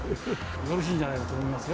よろしいんじゃないかと思いますよ。